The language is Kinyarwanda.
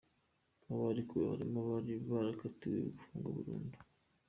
Mu barekuwe harimo abari barakatiwe gufungwa burundu.